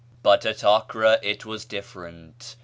But at Acre it was different.